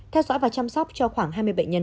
theo dõi và chăm sóc cho khoảng hai mươi bệnh nhân